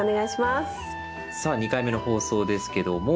さあ２回目の放送ですけども。